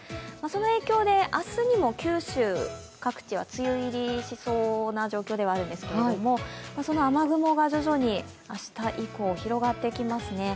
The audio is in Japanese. その影響で明日にも九州各地は梅雨入りしそうな状況ではあるんですけれども、その雨雲が徐々に明日以降広がってきますね。